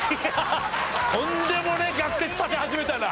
とんでもねえ学説立て始めたな。